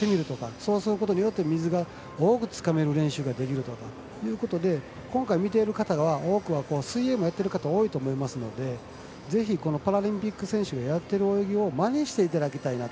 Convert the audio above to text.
そうすることによって水が多くつかめる練習ができるとかということで今回、見ている方は多くは水泳をやっている方も多いと思いますのでぜひ、パラリンピック選手がやってる泳ぎをまねしていただきたいなと。